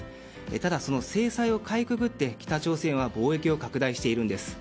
ただ、その制裁をかいくぐって北朝鮮は貿易を拡大しているんです。